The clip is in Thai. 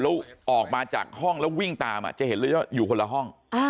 แล้วออกมาจากห้องแล้ววิ่งตามจะเห็นเลยว่าอยู่คนละห้อง